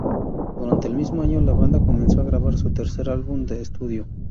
Durante el mismo año la banda comenzó a grabar su tercer álbum de estudio.